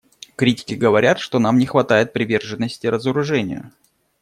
Критики говорят, что нам не хватает приверженности разоружению.